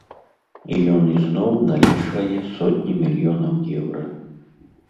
І ён ізноў налічвае сотні мільёнаў еўра.